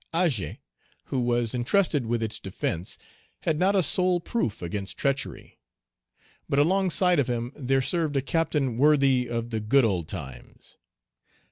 Agé, who was intrusted with its defence, had not a soul proof against treachery. But alongside of him there served a captain worthy of "the good old times."